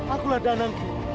akulah danang ki